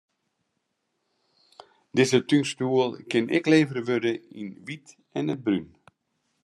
Dizze túnstoel kin ek levere wurde yn it wyt en it brún.